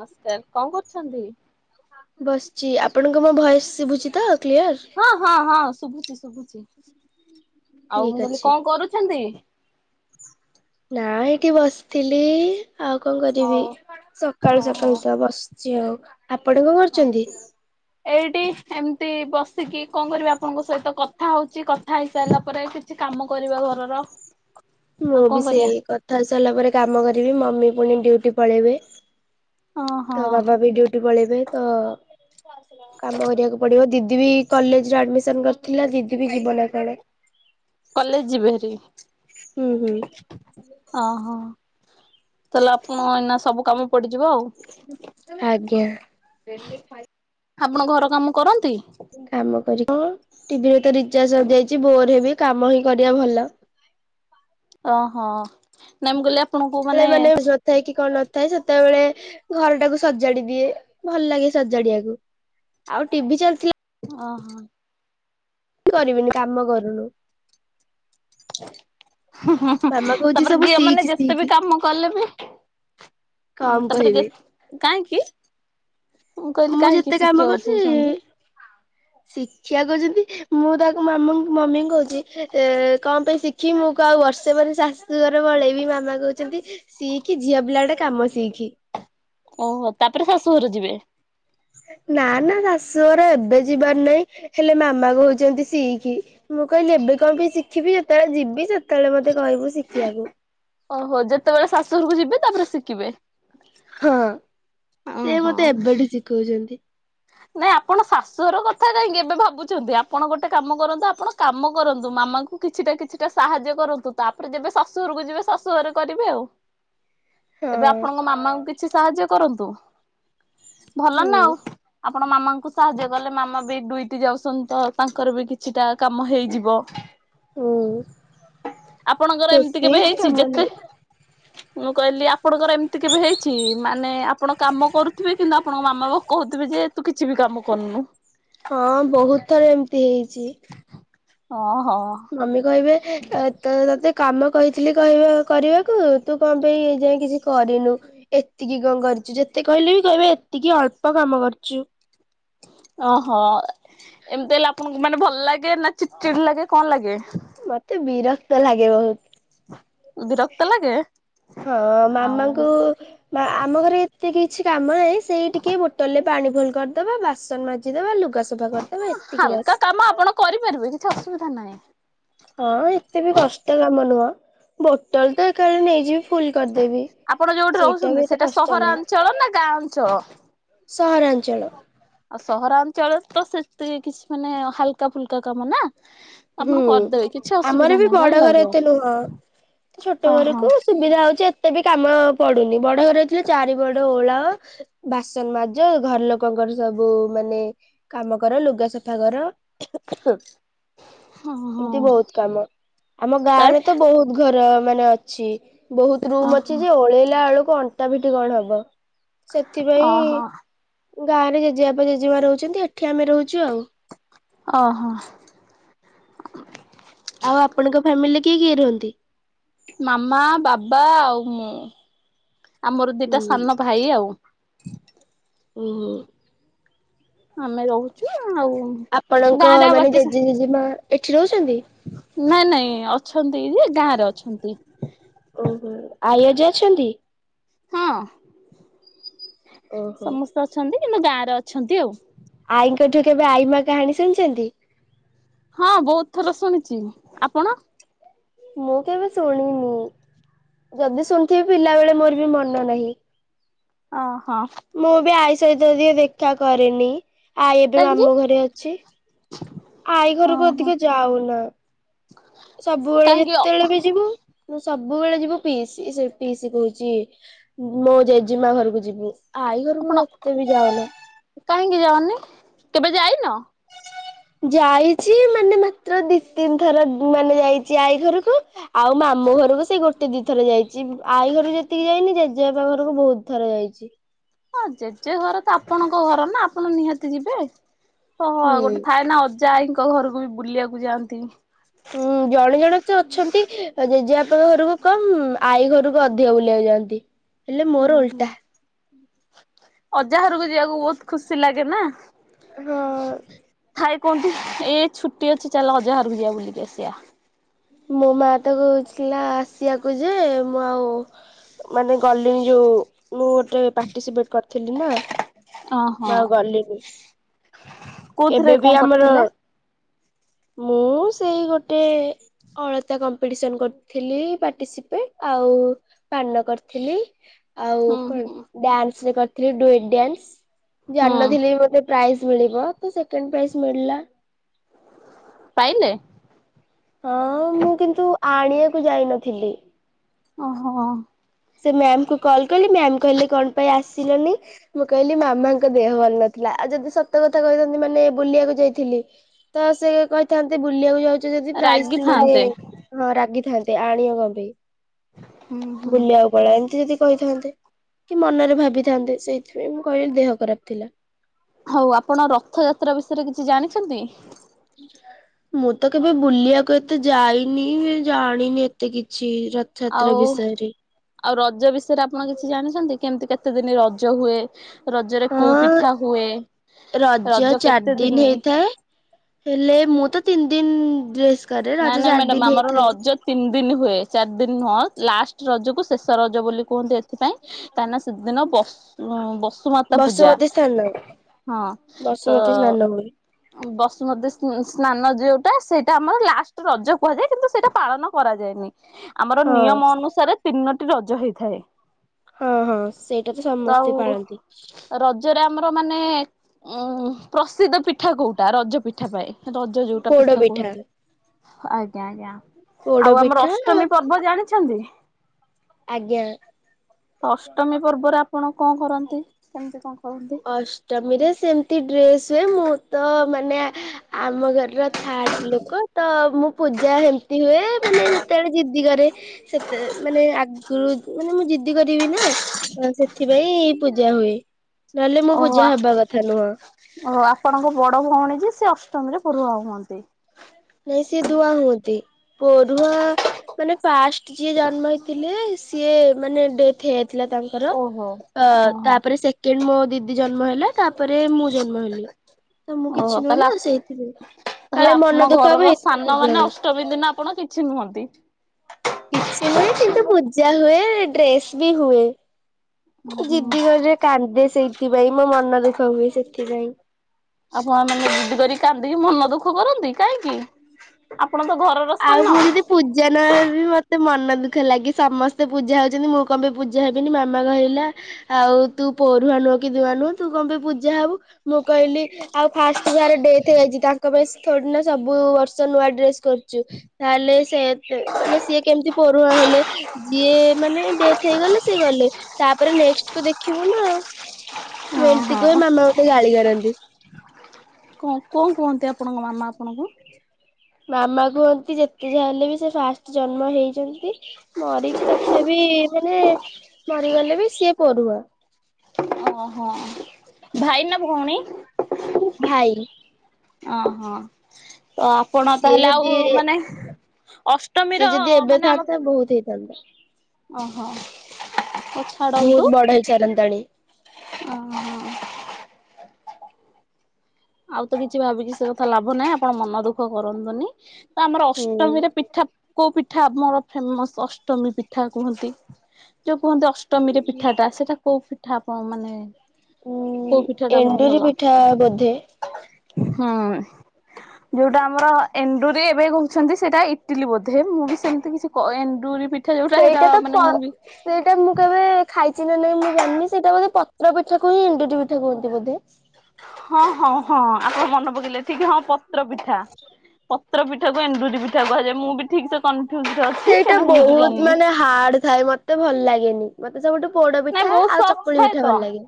ମସ୍କାର୍ କଁ କରୁଛନ୍ତି? ବସ୍ ଚି ଆପଣଙ୍କୁ ମୋ ଭଏସ୍ ଶିଭୁଛି ତ କ୍ଲିୟର୍? ହଁ ହଁ ହଁ ଶୁଭୁଚି ଶୁଭୁଚି ଆଉ ମୁଁ ଠିକ କଇଲି ଅଛି କଁ କରୁଛନ୍ତି? ନାଁ ଏଇଠି ବସିଥିଲି ଆଉ କଁ କରିବି ଆଉ ସକାଳୁ ଓହୋ ସକାଳୁ ତ ବସ୍ ଚି ଆଉ ଆପଣ କଁ କରୁଚନ୍ତି? ଏଇଟି ଏମ୍ ତି ବସିକି କଁ କରିବି ଆପଣଙ୍କ ସହିତ କଥା ହୋଉଚି କଥା ହେଇସାରିଲା ପରେ କିଛି କାମ କରିବା ଘରର। ମୁଁ ଆଉ ବି କଣ ସେଇ କରିବା କଥା ହେଇ ସାରିଲା ପରେ କାମ କରିବି ମମି ପୁଣି ଡ୍ୟୁଟି ପଳେଇବେ। ଓହୋ ତ ମାମା ବି ଡୁଟି ପଳେଇବେ ତ କାମ କରିବାକୁ ପଡିବ ଦିଦି ବି କଲେଜରେ ଆଡମିସନ କରିଥିଲା ଦିଦି ବି ଯିବ ନା କଣ କଲେଜ ଯିବେରି ହୁଁ ହୁଁ ଓହୋ ତାହଲେ ଆପଣ ଏଇନା ସବୁ କାମ ପଡିଯିବ ଆଉ ଆଜ୍ଞା ଆପଣ ଘର କାମ କରନ୍ତି କାମ କର ହଁ ଟିଭିରେ ତ ରିଚାର୍ଜ ହଯାଇଛି ବୋର ହେବି କାମ ହିଁ କରିବା ଭଲ ଓହୋ ନାଇମ କଲେ ଆପଣଙ୍କୁ ମାନେ ଥାଏ କି କଣ ନଥାଏ ସେତେବେଳେ ଘର ଟାକୁ ସଜାଡି ଦିଏ ଭଲ ଲାଗେ ସଜାଡଆକୁ ଆଉ ଟିଭି ଚାଲିଥିଲା ଓହୋ କି କରିବିନି କାମ କରୁନୁ ହଁ ହଁ ମାମା କହୁଛି ତାପରେ ସବୁ ଘଝିଅ ମାନେ ଶିଖ ଯେତେ ବି ଶିଖ କାମ କଲେ ବି କମ କହିବେ ତାପରେ କାହିଁକି ମୁଁ କହିଲି କାହିଁକି ଶିଖିବାକୁ କହୁଛନ୍ତି ଶିକ୍ଷା କରୁଛନ୍ତି ମୁଁ ତାକୁ ମାମା ମମି କହୁଛି କଣ ପାଇଁ ଶିଖିବି ମୁଁ କ ଆଉ ବର୍ଷେ ପରେ ଚା ଅର ବଳେଇ ବି ମାମା କହୁଛନ୍ତି ସିଇକି ଝିଅ ପିଲା ଗୋଟେ କାମ ସିଇକି ଓହୋ ତାପରେ ଶାଶୁଘର ଯିବେ ନା ନା ଶାଶୁଘରେ ଏବେ ଯିବାର ନାହିଁ ହେଲେ ମାମା କହୁଛନ୍ତି ସିଇକି। ମୁଁ କହିଲି ଏବେ କଣ ପାଇଁ ଶିଖିବି ଯେତେବେଳେ ଯିବି ସେତେବେଳେ ମତେ କହିବୁ ଶିଖିବାକୁ। ଓହୋ ଯେତେବେଳେ ଶାଶୁଘରକୁ ଯିବେ। ତାପରେ ଶିଖିବେ ହଁ ଓହୋ। କହୁଛନ୍ତି। ନାଇଁ ଆପଣ ଶାଶୁଘର କଥା କାହିଁକି ଏବେ ଭାବୁଛନ୍ତି ଆପଣ ଗୋଟେ କାମ କରନ୍ତୁ ଆପଣ କାମ କରନ୍ତୁ ମାମା କୁ କିଛିଟା କିଛିଟା ସାହାଯ୍ୟ କରନ୍ତୁ ତାପରେ ଯେବେ ଶାଶୁଘରକୁ ଯିବେ ଶାଶୁ ଘରେ କରିବେ ଆଉ। ହଁ ଏବେ ଆପଣଙ୍କ ମାମାଙ୍କୁ କିଛି ସାହାଯ୍ୟ କରନ୍ତୁ ଭଲ ନା ହୁଁ ଆଉ। ଆପଣ ମାମାଙ୍କୁ ସାହାଯ୍ୟ କଲେ ମାମା ବି ଡୁଇଟି ଯାଉଛନ୍ତି ତ ତାଙ୍କର ବି କିଛିଟା କାମ ହେଇଯିବ। ହୁଁ ଆପଣଙ୍କର ଏମିତି ବେଶୀ କେବେ କିଛି ହେଇଛି କାମ ଯେତେ ନାହିଁ। ମୁଁ କହିଲି ଆପଣଙ୍କର ଏମିତି କେବେ ହେଇଛି ମାନେ ଆପଣ କାମ କରୁଥିବେ କିନ୍ତୁ ଆପଣଙ୍କ ମାମା ବା କହୁଥିବେ ଯେ ତୁ କିଛି ବି କାମ କରୁନୁ। ହଁ ବହୁତ ଥର ଏମିତି ହେଇଛି। ଓହୋ ମମି କହିବେ ତ ତତେ କାମ କହିଥିଲି କହିବା କରିବାକୁ ତୁ କଣ ପାଇଁ ଯାଇ କିଛି କରିନୁ ଏତିକି କଣ କରିଛୁ ଯେତେ କହିଲେ ବି କହିବେ ଏତିକି ଅଳ୍ପ କାମ କରୁଛୁ। ଓହୋ ଏମିତି ହେଲେ ଆପଣଙ୍କୁ ମାନେ ଭଲ ଲାଗେ ନା ଚିଡି ଚିଡି ଲାଗେ କଣ ଲାଗେ? ମତେ ବିରକ୍ତ ଲାଗେ ବିରକ୍ତ ବହୁତ। ଲାଗେ? ହଁ ଆଉ ମାମାଙ୍କୁ ବା ଆମ ଘରେ ଏତେ କିଛି କାମ ନାହିଁ ସେଇ ଟିକେ ବୋଟଲରେ ପାଣି ଭୁଲ କରିଦବା ବାସନ ମାଜିଦବା ଲୁଗ ହାଲକା କାମ ଆପଣ କରିପାରିବେ କିଛି ଅସୁବିଧା ନାହିଁ। ହଁ ଏତେ ବି କଷ୍ଟ କାମ ନୁହଁ ବୋଟଲ ତ ଏକାଡେ ନେଇଯିବି। ଫୁଲ କରିଦେବି ଆପଣ ଯୋଉଠି ସେଇଟା ରହୁଛନ୍ତି ବି ଏତେ କଷ୍ଟ ନାହିଁ। ସହରାଞ୍ଚଳ ନା ଗାଁ ଅଞ୍ଚଳ? ସହରାଞ୍ଚଳ। ଆଉ ସହରାଞ୍ଚଳରେ ତ ସେତିକି କିଛି ମାନେ ହାଲକା ଫୁଲକା କାମ ନା। ହୁଁ ଆପଣ କରିଦେବେ କିଛି ଆମର ଅସୁବିଧା ବି ନାହିଁ ଭଲ ବଡ ଘର ଲାଗିବ ଏତେ ନୁହଁ ତ ଛୋଟ ଓହୋ ଘରକୁ ସୁବିଧା ହଉଛି ଏତେ ବି କାମ ପଡୁନି ବଡ ଘର ଥିଲେ ଚାରି ବଡ ଓଳା ବାସନ ମାଜ ଘର ଲୋକଙ୍କର ସବୁ ମାନେ କାମ କର ଲୁଗା ସଫା କର ଖେ ଖୋ। ହଁ ହଁ। ଏମିତି ବହୁତ କାମ ଆମ ତା ଗାଁ ରେ ତ ବହୁତ ଘର ମାନେ ଅଛି ବହୁତ ରୁମ୍ ଓହୋ ଅଛି ଯେ ଓଳେଇଲା ବେଳକୁ ଅଣ୍ଟା ପିଠି କଣ ହବ ସେଥିପାଇଁ ଓହୋ ଗାଁ ରେ ଜେଜେବାପା ଜେଜେମା ରହୁଛନ୍ତି ଏଠି ଆମେ ରହୁଛୁ ଆଉ। ଓହୋ। ଆଉ ଆପଣଙ୍କ ଫ୍ୟାମିଲି କିଏ କିଏ ରହନ୍ତି? ମାମା ବାବା ଆଉ ମୁଁ ଆମର ଦିଟା ହୁଁ। ସାନ ଭାଇ ଆଉ। ଉଁ ହୁଁ। ଆମେ ରହୁଛୁ ଆଉ ଆପଣଙ୍କ ଗାଁରେ ଆଉ ମାନେ ବାକି ଜେଜେ ଜେଜେମା ଏଠି ରହୁଛନ୍ତି? ନାଇଁ ନାଇଁ ଅଛନ୍ତି ଯେ ଗାଁ ରେ ଅଛନ୍ତି। ଓହୋ ଆଇ ଅଜା ଅଛନ୍ତି? ହଁ ଓହୋ। ସମସ୍ତେ ଅଛନ୍ତି କିନ୍ତୁ ଗାଁରେ ଅଛନ୍ତି ଆଉ। ଆଈଙ୍କଠୁ କେବେ ଆଈମା କାହାଣୀ ଶୁଣିଛନ୍ତି? ହଁ ବହୁତ ଥର ଶୁଣିଛି ଆପଣ? ମୁଁ କେବେ ଶୁଣିନି। ଯଦି ଶୁଣିଥିବି ପିଲାବେେଳେ ମୋର ବି ମନେ ନାହିଁ। ଓ ହଁ। ମୁଁ ବି ଆଇ ସହିତ ଦିଏ ଦେଖା କରିରେନି। ଆଈ ଏବେ କାହିଁକି ମାମୁଁ ଘରେ ଅଛି ଆଈ ଘରକୁ ଓହୋ ଅଧିକ ଯାଉନା। ସବୁବେଳେ କାହିଁକି ଯେତେବେଳେ ବି ଯିବୁ ମୁଁ ସବୁବେଳେ ଯିବୁ ପିଇସି ସେ ପିଇସି କହୁଛି ମୋ ଜେଜେମା ଘରକୁ ଯିବୁ ଆଇ ଘରକୁ ଆପଣ ଏତେ ବି ଯାାଉନା। କାହିଁକି ଯାଉନି କେବେ ଯାଇନ? ହ ଯାଇଛି ମାନେ ମାତ୍ର ଦି ତିନି ଥର ମାନେ ଯାଇଛି ଆଈ ଘରକୁ। ଆଉ ମାମଁ ଘରକୁ ସେଇ ଗୋ ଏ ଦିଇ ଥରେ ଯାଇଛି ଆଈ ଘରକୁ ଯେତିକି ଯାଇନି ଜେଜେବାପା ଘରକୁ ବହୁତ ଥର ଯାଇଛି। ହଁ ଜେଜେ ଘର ତ ଆପଣଙ୍କ ଘର ନା ଆପଣ ନିହାତି ଯିବେ। ଓହୋ ହୁଁ। ଗୋଟେ ଥାଏ ନା ଅଜାଆଈଙ୍କ ଘରକୁ ବି ବୁଲିବାକୁ ଯାଆନ୍ତି। ହୁଁ ଜଣେ ଜଣେ ତ ଅଛନ୍ତି ଜେଜେବାପାଙ୍କ ଘରକୁ କମ୍ ଆଈ ଘରକୁ ଅଧିକ ବୁଲିବାକୁ ଯାନ୍ତି। ହେଲେ ମୋର ଓଲଟା। ଅଜାଘର ରକୁ ଯିବାକୁ ବହୁତ ଖୁସି ଲାଗେ ନା? ହଁ। ଥାଏ କୁହନ୍ତି ଏ ଛୁଟି ଅଛି ଚାଲ ଅଜାଘର କୁ ଯିବା ବୁଲିକି ଆସିବା। ମୋ ମା ତ କହୁଥିଲା ଆସିବାକୁ ଯେ ମୁଁ ଆଉ। ମାନେ ଗଲିଣି ଯୋଉ ମୁଁ ଗୋଟେ ପାର୍ଟିସିପେଟ କରିଥିଲି ନା। ଓହୋ। ମୁଁ ଆଉ ଗଲିିନି। କୋଉଥିରେ ଏବେ ବି କଣ ଆମର କରିଥିଲେ? ମୁଁ ସେଇ ଗୋଟେ ଅଳତା କମ୍ପିଟିସନ୍ କରିଥିଲି ପାର୍ଟିସିପେଟ ଆଉ ପାନ କରିଥିଲି। ଆଉ ହୁଁ କଣ ହୁଁ। ଡ୍ୟାନ୍ସ ବି କରିଥିଲି ଡୁଏଟ୍ ଡ୍ୟାନ୍ସ ହୁଁ ଜାଣି ନଥିଲି ମତେ ପ୍ରାଇଜ୍ ମିଳିବ ତ ସେକେଣ୍ଡ ପ୍ରାଇଜ ମିଳିଲା। ପାଇଲେ? ହଁ ମୁଁ କିନ୍ତୁ ଆଣିବାକୁ ଯାଇନଥିଲି। ଓହୋ। ସେ ମ୍ୟାମ କୁ କଲ କଲି ସେ ମ୍ୟାାମ କହିଲେ କଣ ପାଇଁ ଆସିଲନି? ମୁଁ କହିଲି ମାମାଙ୍କ ଦେହ ଭଲ ନଥିଲା ଆଉ ଯଦି ସତ କଥା କହିଥାନ୍ତି ମାନେ ବୁଲିବାକୁ ଯାଇଥିଲି ତ ସେ କହିଥାନ୍ତେ ବୁଲିବାକୁ ଯାଉଛ ଯଦି ପ୍ରାଇଜ ମାନେ ରାଗିଥାନ୍ତେ। ହଁ ରାଗିଥାନ୍ତେ ଆଣିିବ କଣ ପାଇଁ ହୁଁ ହୁଁ। ବୁଲିିଆକୁ। ପଳାନ୍ତି ଯଦି କହିଥାନ୍ତେ କି ମନରେ ଭାବିଥାନ୍ତେ ସେଇଥିପାଇଁ ମୁଁ କହିଲି ଦେହ ଖରାପ ଥିଲା। ହଉ ଆପଣ ରଥଯାତ୍ରା ବିଷୟରେ କିଛି ଜାଣିଛନ୍ତି? ମୁଁ ତ କେବେ ବୁଲିବାକୁ ଏତେ ଯାଇନି ବି ଜାଣିନି ବି ଏତେ କିଛି। ରଥଯାତ୍ରା ଆଉ। ବିଷୟରେ। ଆଉ ରଜ ବିଷୟରେ ଆପଣ କିଛି ଜାଣିଛନ୍ତି କେମତି କେତେ ଦିନି ରଜ ହୁଏ। ରଜରେ କୋଉ ହଁ ପିଠା ହୁଏ ରଜ ଚାରି କେତେ ଦିନ ଦିନି। ହେଇଥାଏ। ହେଲେ ମୁଁ ତ ତିନି ଦିନ ଡ୍ରେସ୍ କରେ ନାଇଁ ରଜ ନାଇଁ ଚାରି ମ୍ୟାଡାମ ଦିନ ଆମର ହେଇଥାଏ। ରଜ ତିନି ଦିନ ହୁଏ ଚାରି ଦିନ ନୁହଁ ଲାଷ୍ଟ ରଜକୁ ଶେଷ ରଜ ବୋଲି କୁହନ୍ତି। ସେଥିପାଇଁ କାହିଁକି ନା ସେଦିନ ବସୁ ବସୁମାତା ପୂଜା। ବସୁମତୀ ସ୍ଥାନ ହଁ ତ। ବସୁମତୀ ସ୍ନାନ ହୁଏ ବସୁମତୀ ସ୍ନ ସ୍ନାନ ଯୋଉଟା ସେଇଟା ଆମର ଲାଷ୍ଟ ରଜ କୁହାଯାଏ କିନ୍ତୁ। ସେଇଟା ପାଳନ କରାଯାଏନି ଆମର ହଁ। ନିୟମ ଅନୁସାରେ ତିନୋଟି ରଜ ହେଇଥାଏ। ହଁ ହଁ ସେଇଟା ତ ସମସ୍ତେ ପାଳନ୍ତି। ରଜରେ ଆମର ମାନେ ଉଁ ପ୍ରସିଦ୍ଧ ପିଠା କୋଉଟା ରଜ ପିଠା ପାଇଁ। ରଜ ଯୋଉଟା ପିଠା କୁହନ୍ତି। ଆଜ୍ଞା ଆଜ୍ଞା ପୋଡ ଆଉ ଆମର ପିଠା ଅଷ୍ଟମୀ ପର୍ବ ଜାଣିଛନ୍ତି। ଆଜ୍ଞା। ଅଷ୍ଟମୀ ପର୍ବରେ ଆପଣ କଣ କରନ୍ତି କେମିତି କଣ କରନ୍ତି? ଅଷ୍ଟମୀରେ ସେମତି ଡ୍ରେସ୍ ହୁଏ ମୁଁ ତ ମାନେ ଆମ ଘରେ। ର ଥାର୍ଡ ଲୋକ ତ ମୁଁ ପୂଜା ହେମତି ହୁଏ ମାନେ ଯେତେବେଳେ ଜିଦି କରେ। ସେତେ ମାନେ ଆ ଆଗୁରୁ ମାନେ ମୁଁ ଜିଦି କରିବି ନା ସେଥିପାଇଁ ପୂଜା ହୁଏ। ନହେଲେ ମୁଁ ଓହୋ ପୂଜା ହବା କଥା ନୁହଁ। ଓ ହୋ ଆପଣଙ୍କ ବଡ ଭଉଣୀ ଯେ ସେ ଅଷ୍ଟମୀରେ ପଢ଼ୁଆଁ ହୁଅନ୍ତି। ନାଇଁ ସେ ଦୁଆଁ ହୁଅନ୍ତି ପଢୁଆଁ ମାନେ ଫାଷ୍ଟ ଯିଏ ଜନ୍ମ ହେଇଥିଲେ ସିଏ ମାନେ ଡେଥ୍ ହେଇଯାଇଥିଲା ତାଙ୍କ ର ଓହୋ ଅ ଓହୋ ତାପରେ ସେକେଣ୍ଡ ମୋ ଦିଦି ଜନ୍ମ ହେଲା ତାପରେ ମୁଁ ଜନ୍ମ ହେଲି। ତ ମୁଁ ଓହୋ କିଛି ନୁହଁ ତାହେଲେ ନା ସେଇଥି ପାଇଁ କାଳେ ମନ ଦୁଖ ଘର ର ସାନ ମାନେ ଅଷ୍ଟମୀ ଦିନ ଆପଣ କିଛି ନୁହନ୍ତି। କିଛି ନୁହେଁ କିନ୍ତୁ ପୂଜା ହୁଏ ଡ୍ରେସ ବି ହୁଏ। ଜିଦି କରେ କାନ୍ଦେ ସେଇଥିପାଇଁ ମୋ ମନ ଦୁଃଖ ହୁଏ ସେଥିପାଇଁ। ଆପଣ ମାନେ ଜିଦି କରି କାନ୍ଦିକି ମନ ଦୁଃଖ କରନ୍ତି କାହିଁକି? ଆପଣ ତ ଘରର ଆଉ ମୁଁ ସାନ। ଯଦି ପୂଜା ନହଲେ ବି ମତେ ମନ ଦୁଃଖ ଲାଗେ ସମସ୍ତେ ପୂଜା ହଉଛନ୍ତି ମୁଁ କଣ ପାଇଁ ପୂଜା ହେବିନି ମାମା କହିଲା ଆଉ ତୁ ପରୁଆଁ ନୁହଁ କି ନୂଆ ଦୁହାଁ ନୁଅ ତୁ କଣ ପାଇଁ ପୂଜା ହବୁ। ମୁଁ କହିଲି ଆଉ ଫାଷ୍ଟ ଯାହାର ଡେଥ ହେଇଯାଇଛି ତାଙ୍କ ପାଇଁ ଥୁଡ଼ି ନା ସବୁ ବର୍ଷ ନୂଆ ଡ୍ରେସ କର ଚୁ ତାହେଲେ ସେ ମାନେ ସିଏ କେମିତି ପରୁଆଁ ହେଲେ। ଯିଏ ମାନେ ଡେଥ ହେଇଗଲେ ସିଏ ଗଲେ ତାପରେ ନେକ୍ସ କୁ ଦେଖିବୁ ନା। ମୁଁ ଏମିତି ଓହୋ କୁହେ ମାମା ମତେ ଗାଳି କରନ୍ତି। ହଁ କଣ କୁହନ୍ତି ଆପଣଙ୍କ ମାମା ଆପଣଙ୍କୁ? ମାମା କୁହନ୍ତି ଯେତେ ଯା ହେଲେ ବି ସେ ଫାଷ୍ଟ ଜନ୍ମ ହେଇଛନ୍ତି। ମରିଛି ତଥାପି ମାନେ ମରିଗଲେ ବି ସିଏ ପୋରୁଆଁ। ଓ ହୋ ଭାଇ ନା ଭଉଣୀ। ଭାଇ। ଆ ହଁ ତ ଆପଣ ସିଏ ତାହେଲେ ଆଉ ଯଦି ମାନେ ଅ ସିଏ ଯଦି ଏବେ ଥାନ୍ତା ବହୁତ ହେଇଥାନ୍ତା। ଓହୋ ଆଛା। ବହୁତ ବଡ ହେଇ ସାରନ୍ତାଣୀ। ଅ ହଁ। ଆଉ ତ କିଛି ଭାବୁଛି ସେ କଥା ଲାଭ ନାହିଁ ଆପଣ ମନ ଦୁଃଖ କରନ୍ତୁନି ତ ଆମର ହୁଁ। ଅଷ୍ଟମୀରେ ପିଠା କୋଉ ପିଠା ଆମର ଫେମସ ଅଷ୍ଟମୀ ପିଠା କୁହନ୍ତି ଯୋଉ କୁହନ୍ତି ଅଷ୍ଟମୀରେ ପିଠାଟା ସେଇଟା କୋଉ ପି ଠା ଆପଣ ମାନେ କଉ ପିଠା ଟା ଆପଣଙ୍କୁ ଭଲ? ଥା ବୋଧେ ହୁଁ ଯୁଉଟା ଆମର ଏଣ୍ଡୁରି ଏବେ କହୁଛନ୍ତି ସେଇଟା ଇଟିଲି ବୋଧେ ମୁଁ ବି ସେମିତି କିଛି କ-ଏଣ୍ଡରି ପୀ ସେଇଟା ପ ସେଇଟା ମୁଁ କେବେ ଖାଇଛି ନା ନାଇଁ ମୁଁ ଜାଣିନି ସେଇଟା ବଧେ ପତ୍ର ପିଠା କୁ ହିଁ ଏଣ୍ଡୁରି ପିଠା କୁହନ୍ତି ବୋଧେ? ହଁ ହଁ ହଁ ଆପଣ ମନେ ପକେଇଲେ ଠିକ୍ ହଁ ପତ୍ର ପିଠା। ପତ୍ର ପିଠା କୁ ଏଣ୍ଡୁରି ପିଠା କୁହାଯାଏ। ମୁଁ ବି ଠିକ ସେ କନଫ୍ୟୁଜ ରେ ଅଛି କାଇଁକି ସେଇଟା ନା ମୁଁ ବି ବହୁତ ଜାଣିନି। ମାନେ ହାର୍ଡ ଥାଏ ମତେ ଭଲ ଲାଗେନି। ମତେ ସବୁଠୁ ପୋଡ ନାଇଁ ପିଠା ବହୁତ ଆଉ ସଫ୍ଟ ଚକୁଳି ଥାଏ ପିଠା ଭଲ ତ ଲାଗେ।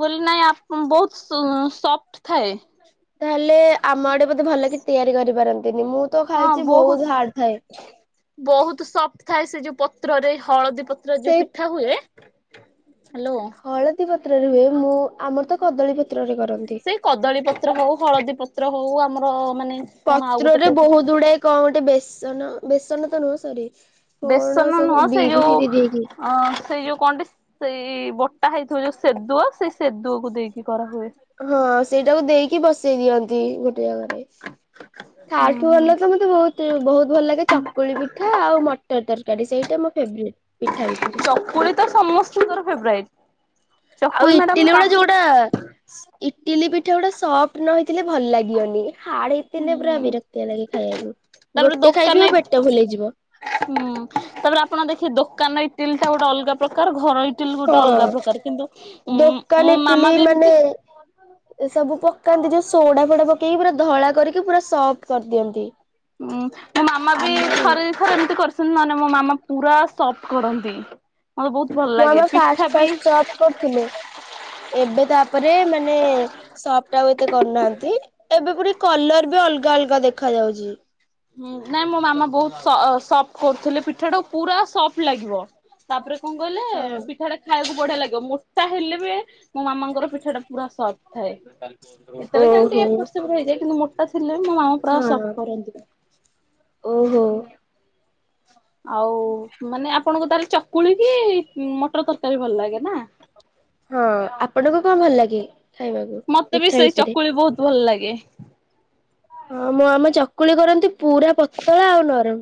ମୁଁ କହିଲି ନାଇଁ ଅପ ବହୁତୁ ସପ୍ଟ ଥାଏ। ତାହେଲେ ଆମ ଆଡେ ବୋଧେ ଭଲ କି ତିଆରି କରିପାରନ୍ତିନି ମୁଁ ତ ଖାଇଛି ବହୁତ ହାର୍ଡ ଥାଏ। ବହୁତ ସଫ୍ଟ ଥାଏ ସେ ଯୋଉ ପତ୍ରରେ ହଳଦୀ ପତ୍ର ଯୋଉ ସେଇ ପିଠା ହୁଏ। ହ୍ୟାଲୋ। ହଳଦୀ ପତ୍ରରେ ହୁଏ ମୁଁ ଆମର ତ କଦଳୀ ପତ୍ରରେ କରନ୍ତି। ସେଇ କଦଳୀ ପତ୍ର ହଉ ହଳଦୀ ପତ୍ର ହଉ ଆମର ମାନେ କଣ ଆଉ ଗୋଟେ ପତ୍ରରେ କୋଉ ବହୁତ ଗୁଡାଏ କଣ ଗୋଟେ ବେସନ ବେସନ ତ ନୁହଁ ସରି କଣ ବେସନ ସବୁ ନୁହଁ ସେଇ ବିରି ଯୋଉ ଫିରି ଦେଇକି ଅ ସେଇ ଯୋଉ କଣ ଟି ସେଇ ବଟା ହେଇଥିବ ଯୋଉ ସେଦୁଅ ସେଇ ସେଦୁଅକୁ ଦେଇକି କରାହୁଏ। ହଁ ସେଇଟାକୁ ଦେଇକି ବସେଇ ଦିଅନ୍ତି ଗୋଟେ ଜାଗାରେ ତା ହୁଁ ଠୁ ହୁଁ ଭଲ ତ ମତେ ତେ ବହୁତ ବହୁତ ଭଲ ଲାଗେ ଚକୁଳି ପିଠା ଆଉ ମଟର ତରକାରୀ ସେଇଟା ମୋ ଫେବରାଇଟି। ଚକୁଲି ତ ସମସ୍ତଙ୍କର ଫେବରାଇଟି। ଆଉ ଇଟିଲି ଉରା ଯୋଉଟା ଇଟିଲି ପିଠା ଗୁଡା ସଫ୍ଟ ନ ହେଇଥିଲେ ଭଲ ଲାଗିବନି। ହାଡେଇଥିଲେ ପୁରା ହୁଁ ବିରକ୍ତିଆ ଲାଗେ ଖାଇବାକୁ ତାପରେ ଗୋଟେ ଦୋକାନ ଖାଇଥିବ ପେଟ ଭୁଲେଇଯିବ। ହୁଁ ତାପରେ ଆପଣ ଦେଖିବେ ଦୋ କାନ ଇଟିଲିଟା ଗୋଟେ ଅଲଗା ପ୍ରକାର ଘର ଇଟିଲ ଗୋଟେ ଅଲଗା ହଁ ପ୍ରକାର କିନ୍ତୁ ଉଁ ମୋ ଦୋକାନ ମାମା ଇଟିଲି ବି ଏମିତି ମାନେ ଏ ସବୁ ପକାନ୍ତି ଯୋଉ ସୋଡା ଫୋଡା ପକେଇକି ପୁରା ଧଳା କରିକି ପୁରା ସଫ୍ଟ କରିଦିଅନ୍ତି। ଉଁ ମୋ ମାମା ବି ଆମ ଆଡେ ମୋ ଥରେ ଥରେ ଏମିତି କରିସନ୍ତି ନଲେ ମୋ ମାମା ପୁରା ସପ୍ଟ କରନ୍ତି। ମତେ ବହୁତ ଭଲ ଲାଗେ ପିଠା ବି କରିଥିଲେ ଏବେ ତାପରେ ମାନେ ସପ୍ଟ ଆଉ ଏତେ କରୁନାହାନ୍ତି ଏବେ ବି କଲର ବି ଅଲଗା ଅଲଗା ଦେଖା ଯାଉଛି। ହୁଁ ନାଇଁ ମୋ ମାମା ବହୁତ ସ ସଫ୍ଟ କରୁଥିଲେ ପିଠା ଟା ପୁରା ସଫ୍ଟ ଲାଗିବ। ତାପରେ କଣ କହିଲେ ହଁ ପିଠା ଟା ଖାଇବାକୁ ବଢିଆ ଲାଗିବ ମୋ ତା ହେଲେ ବି ମୋ ମାମାଙ୍କର ପିଠା ଟା ପୁରା ସଫ୍ଟ ଥାଏ। [unintelligible] କେତେବେଳେ କେମତି ଓହୋ ଏପଟ ସେପଟ ହେଇଯାଏ କିନ୍ତୁ ମୋଟା ଥିଲେ ବି ମୋ ମାମା ହଁ ସପ୍ଟ କରନ୍ତି। ଓହୋ। ଆଉ ମାନେ ଆପଣଙ୍କୁ ତାହେଲେ ଚକୁଳି କି ମଟର ତରକାରୀ ଭଲ ଲାଗେ ନା? ହଁ ଆପଣଙ୍କୁ କଣ ଭଲ ଲାଗେ? ଖାଇବାକୁ ମତେ ବି ପିଠା ସେଇ ଭିତରେ? ଚକୁଳି ବହୁତ ଭଲ ଲାଗେ। ହଁ ମୋ ମାମା ଚକୁଳି କରନ୍ତି ପୁରା ପତଳା ଆଉ ନରମ।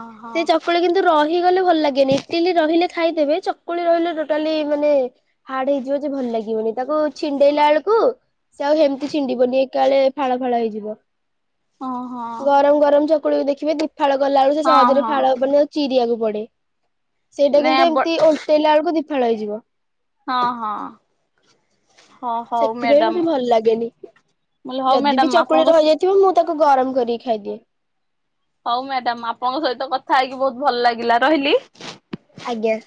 ଓହୋ ସେ ଚକୁ କିନ୍ତୁ ରହିଗଲେ ଭଲ ଲାଗେନି ଇଟିଲି ରହିଲେ ଖାଇଦେବେ ଚକୁଳି ରହିଲେ ଟୋଟାଲି ମାନେ ହାଡ ହେଇଯିବ ଯେ ଭଲ ଲାଗିବନି ତାକୁ ଛିଣ୍ଡେଇଲା ବେଳକୁ ସେ ଆଉ ହେମିତି ଛିଣ୍ଡିବନି ଏକାବେଳେ ଫାଳ ଫାଳ ହେଇଯିବ। ଓହୋ ଗରମ ଗରମ ଚକୁଳିକୁ ଦେଖିବେ ଦି ଫାଳ ଗଲା ବେଳ ସେ ହଁ ସହଜରେ ହଁ ଫାଳ ହବନି। ଚିରିିବାକୁ ପଡେ ସେଇଟା ନେ କିନ୍ତୁ ବ ଏମିତି ଓଲଟେଇଲା ବେଳକୁ ଦିଫାଳ ହେଇଯିବ। ହଁ ହଁ। ହଁ ହଉ ସେଥିପାଇଁ ମ୍ୟାଡାମ ମତେ ଭଲ ଲାଗେନି, ମୁଁ କହିଲି ହଉ ଯଦି ମ୍ୟାଡାମ ବି ଚକୁଳି ଆପଣଙ୍କ ରହିଯାଇ ଯୋଉ ମୁଁ ତାକୁ ଗରମ କରିକି ଖାଇଦିଏ। ହଉ ମ୍ୟାଡାାମ ଆପଣଙ୍କ ସହିତ କଥା ହେଇକି ବହୁତ ଭଲ ଲାଗିଲା ରହିଲି। ଆଜ୍ଞା।